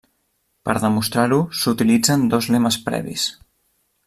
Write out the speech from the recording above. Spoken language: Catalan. Per demostrar-ho s'utilitzen dos lemes previs.